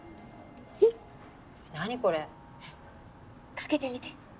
かけてみて。